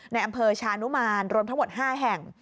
ในอำเภอชานุมานรวมทั้งหมด๕แห่ง